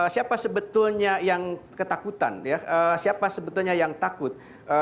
siapa sebetulnya yang ketakutan siapa sebetulnya yang takut